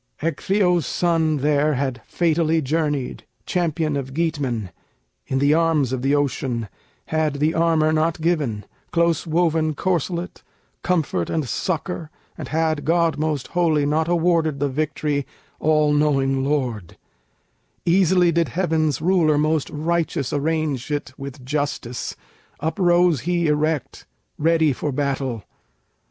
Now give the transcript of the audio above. Ecgtheow's son there Had fatally journeyed, champion of Geatmen, In the arms of the ocean, had the armor not given, Close woven corselet, comfort and succor, And had God Most Holy not awarded the victory, All knowing lord; easily did heaven's Ruler most righteous arrange it with justice; Uprose he erect ready for battle.